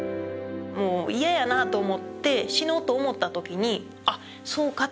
もういややなと思って、死のうと思ったときに、あっ、そうかと。